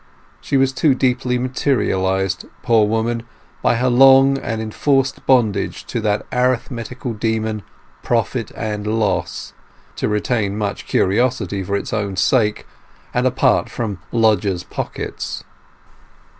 She was too deeply materialized, poor woman, by her long and enforced bondage to that arithmetical demon Profit and Loss, to retain much curiousity for its own sake, and apart from possible lodgers' pockets.